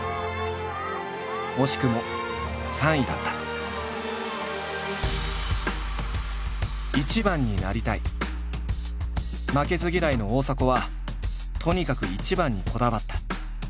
惜しくも負けず嫌いの大迫はとにかく一番にこだわった。